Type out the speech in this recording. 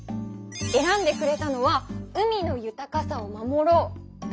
えらんでくれたのは「海の豊かさを守ろう」だね！